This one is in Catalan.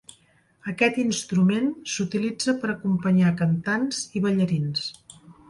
Aquest instrument s'utilitza per acompanyar cantants i ballarins.